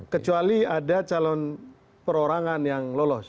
kecuali ada calon perorangan yang lolos